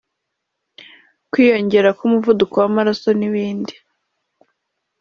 kwiyongera k’umuvuduko w’amaraso n’ibindi